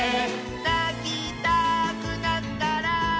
「なきたくなったら」